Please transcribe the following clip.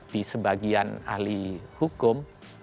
di sebagian ahli hukum